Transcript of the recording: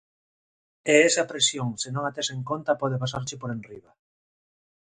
E esa presión se non a tes en conta pode pasarche por enriba.